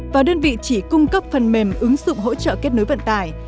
và đơn vị chỉ cung cấp phần mềm ứng dụng hỗ trợ kết nối vận tải